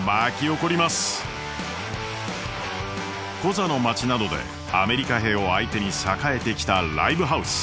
コザの街などでアメリカ兵を相手に栄えてきたライブハウス。